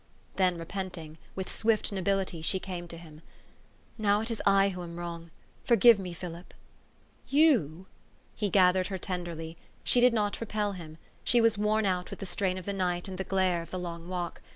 Then repenting, with swift nobility she came to him, "Now it is I who am wrong. Forgive me, Philip!" " You?" He gathered her tenderly. She did not repel him : she was worn out with the strain of the night and the glare of the long walk.